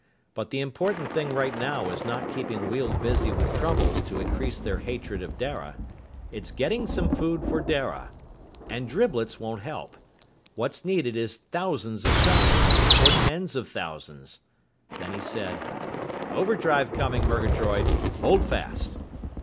But the important thing right now is not keeping Weald busy with troubles to increase their hatred of Dara. It's getting some food for Dara. And driblets won't help. What's needed is thousands of tons, or tens of thousands." Then he said, "Overdrive coming, Murgatroyd! Hold fast!"